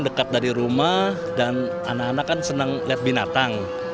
dekat dari rumah dan anak anak kan senang lihat binatang